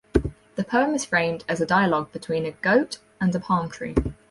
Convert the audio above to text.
The poem is framed as a dialogue between a goat and a palm tree.